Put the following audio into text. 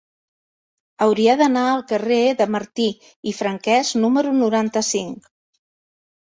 Hauria d'anar al carrer de Martí i Franquès número noranta-cinc.